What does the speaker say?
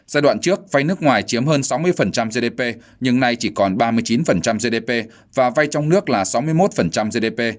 giai đoạn trước vay nước ngoài chiếm hơn sáu mươi gdp nhưng nay chỉ còn ba mươi chín gdp và vay trong nước là sáu mươi một gdp